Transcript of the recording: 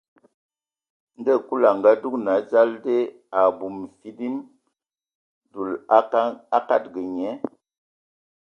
Ndo Kulu a ngadugan a dzal die, abum findim, dulu a kadag nye.